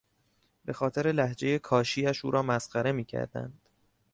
به خاطر لهجهی کاشی اش او را مسخره میکردند.